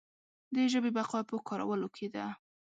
د ژبې بقا په کارولو کې ده.